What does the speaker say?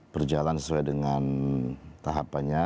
berjalan sesuai dengan tahapannya